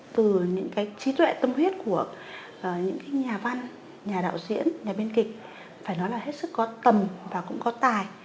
từ những trí tuệ tâm huyết của những nhà văn nhà đạo diễn nhà biên kịch phải nói là hết sức có tầm và cũng có tài